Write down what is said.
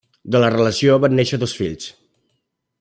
De la relació van néixer dos fills: